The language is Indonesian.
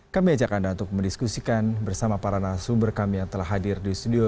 kami ajak anda untuk mendiskusikan bersama para narasumber kami yang telah hadir di studio